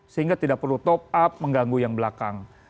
sehingga tidak perlu top up mengganggu yang belakang